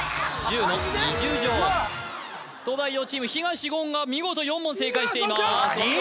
うわ東大王チーム東言が見事４問正解していますいいぞ！